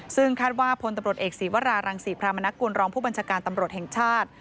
ซึ่งคาดว่าพตเศีวรารังศีพมกลรองผู้บัญชการตำรวจแห่งชาติ